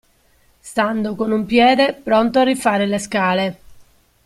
Stando con un piede pronto a rifare le scale.